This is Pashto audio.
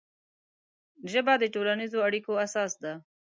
ژبه د ټولنیزو اړیکو اساس ده